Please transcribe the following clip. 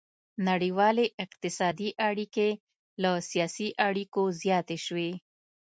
نړیوالې اقتصادي اړیکې له سیاسي اړیکو زیاتې شوې